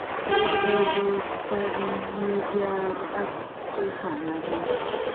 لرګی د استاد نجار افتخار دی.